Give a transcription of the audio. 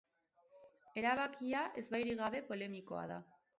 Erabakia ezbairik gabe polemikoa da.